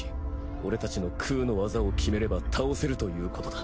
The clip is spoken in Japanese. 俺たちの空の技を決めれば倒せるということだ。